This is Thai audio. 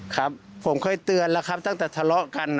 ครับผมเคยเตือนแล้วครับตั้งแต่ทะเลาะกัน